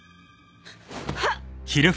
はっ！